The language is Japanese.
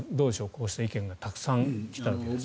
こうした意見がたくさん来たわけですが。